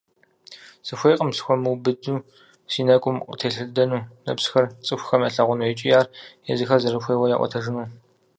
Сыхуейкъым схуэмыубыду си нэкӀум къытелъэдэну нэпсхэр цӀыхухэм ялъагъуну икӀи ар езыхэр зэрыхуейуэ яӀуэтэжыну.